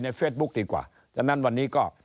เฟซบุ๊คดีกว่าฉะนั้นวันนี้ก็